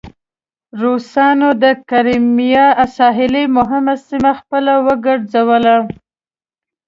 روسانو د کریمیا ساحلي مهمه سیمه خپله وګرځوله.